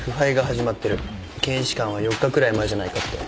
検視官は４日くらい前じゃないかって。